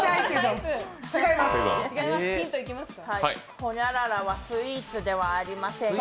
ホニャララはスイーツではありません。